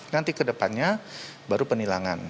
nanti kedepannya baru penilangan